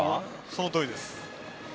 そのとおりです。